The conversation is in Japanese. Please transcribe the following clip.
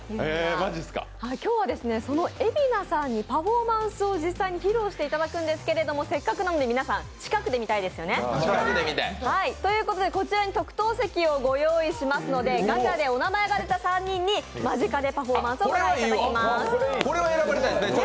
今日はその蛯名さんにパフォーマンスを披露していただくんですけれどもせっかくなので皆さん近くで見たいですよね。ということで、こちらに特等席をご用意しますので、ガチャでお名前が出た３人に間近でパフォーマンスをご覧いただきます。